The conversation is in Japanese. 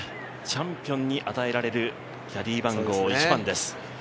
チャンピオンに与えられるキャディー番号１番です。